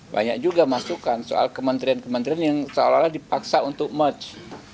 banyak juga masukan soal kementerian kementerian yang seolah olah dipaksa untuk match